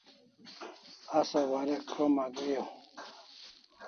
Asa warek krom agri au